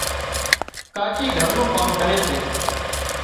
ڪاچي گھر نُون ڪام ڪري سي